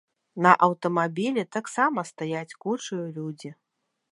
На аўтамабілі таксама стаяць кучаю людзі.